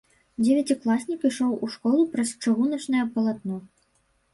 Дзевяцікласнік ішоў у школу праз чыгуначнае палатно.